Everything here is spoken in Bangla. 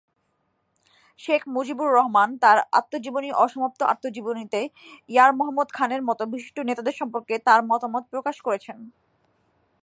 শেখ মুজিবুর রহমান তার আত্মজীবনী অসমাপ্ত আত্মজীবনীতে ইয়ার মোহাম্মদ খানের মত বিশিষ্ট নেতাদের সম্পর্কে তার মতামত প্রকাশ করেছেন।